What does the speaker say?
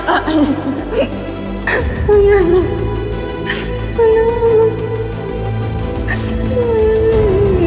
อย่าไปดีกับพ่อ